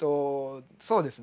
そうですね。